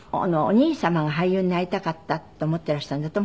お兄様が俳優になりたかったと思ってらしたの？